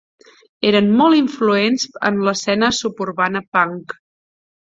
Eren molt influents en l'escena suburbana punk.